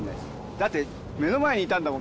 だって目の前にいたんだもん